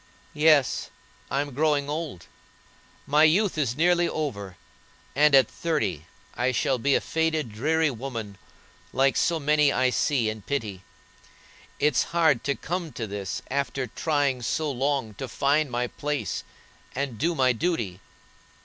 "Yes, I'm growing old; my youth is nearly over, and at thirty I shall be a faded, dreary woman, like so many I see and pity. It's hard to come to this after trying so long to find my place, and do my duty.